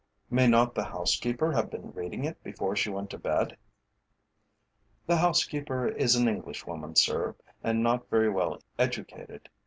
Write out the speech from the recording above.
"May not the housekeeper have been reading it before she went to bed?" "The housekeeper is an Englishwoman, sir, and not very well educated.